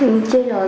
từng khói nhỏ để bán